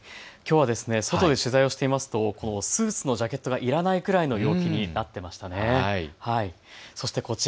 きょうは外で取材していますとスーツのジャケットがいらないくらいの陽気になっていましたね。